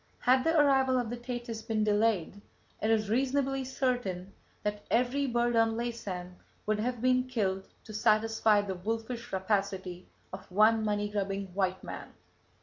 Had the arrival of the Thetis been delayed, it is reasonably certain that every bird on Laysan would have been killed to satisfy the wolfish rapacity of one money grubbing white man.